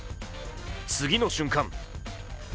次の瞬間